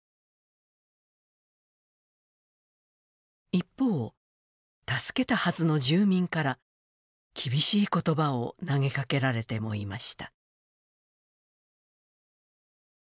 一方、助けたはずの住民から厳しいことばを投げかけられてもいました。